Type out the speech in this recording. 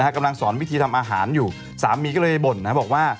กำลังสอนวิธีทำอาหารอยู่สามีก็เลยบ่นบอกว่า